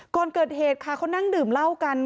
ก่อนเกิดเหตุค่ะเขานั่งดื่มเหล้ากัน